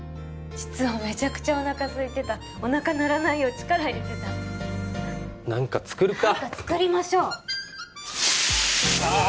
実はめちゃくちゃおなかすいてたおなか鳴らないよう力入れてた何か作るか何か作りましょうああああああ